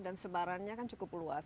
dan sebarannya kan cukup luas